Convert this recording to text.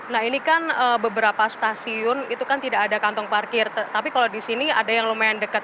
nah ini kan beberapa stasiun itu kan tidak ada kantong parkir tapi kalau di sini ada yang lumayan dekat